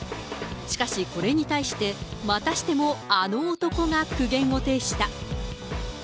しかし、これに対して、またしてもあの男が苦言を呈した。